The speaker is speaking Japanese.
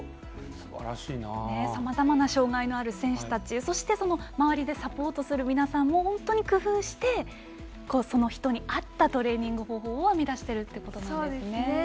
さまざまな障がいのある選手たちそしてその周りでサポートする皆さんも工夫してその人に合ったトレーニング方法を生み出しているということですね。